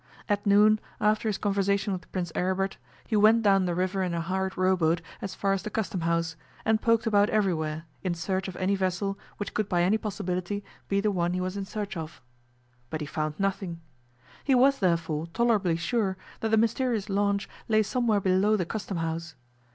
At noon, after his conversation with Prince Aribert, he went down the river in a hired row boat as far as the Custom House, and poked about everywhere, in search of any vessel which could by any possibility be the one he was in search of. But he found nothing. He was, therefore, tolerably sure that the mysterious launch lay somewhere below the Custom House.